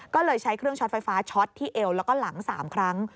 ก็เลยใช้เครื่องช็อตไฟฟ้าช็อตที่เอวแล้วก็หลัง๓ครั้ง